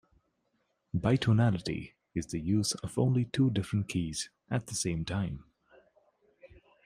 Bitonality is the use of only two different keys at the same time.